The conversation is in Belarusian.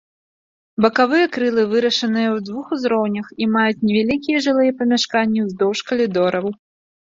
Бакавыя крылы вырашаныя ў двух узроўнях і маюць невялікія жылыя памяшканні ўздоўж калідораў.